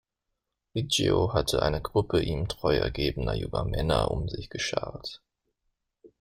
Liggio hatte eine Gruppe ihm treu ergebener junger Männer um sich geschart.